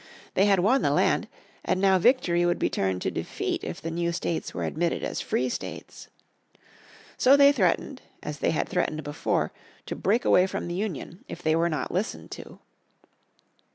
They had won the land, and now victory would be turned to defeat if the new states were admitted as free states. So they threatened, as they had threatened before, to break away from the Union if they were not listened to.